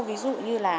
ví dụ như là